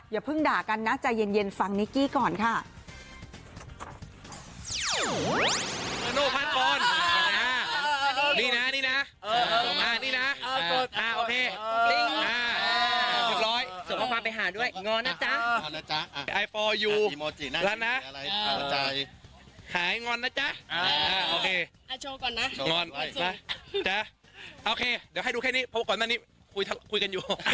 อย่าเพิ่งด่ากันนะใจเย็นฟังนิกกี้ก่อนค่ะ